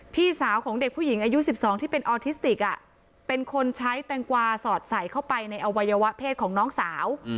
พี่สาวของเด็กผู้หญิงอายุ๑๒ที่เป็นออทิสติกเป็นคนใช้แตงกวาสอดใส่เข้าไปในอวัยวะเพศของน้องสาว